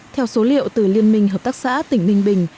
theo số liệu từ liên minh hợp tác xã tỉnh ninh bình